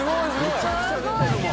めちゃくちゃ出てるもん。